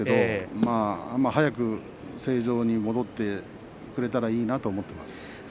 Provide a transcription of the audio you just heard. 早く正常に戻ってくれたらいいなと思います。